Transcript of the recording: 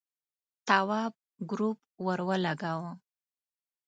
تواب گروپ ور ولگاوه.